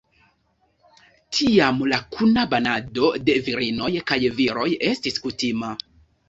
Tiam la kuna banado de virinoj kaj viroj estis kutima.